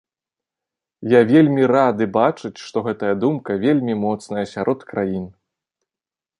Я вельмі рады бачыць, што гэтая думка вельмі моцная сярод краін.